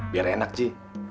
biar enak ji